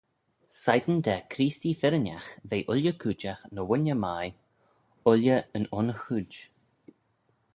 Shegin da Creestee firrinagh ve ooilley cooidjagh ny wooinney mie, ooilley yn un chooid.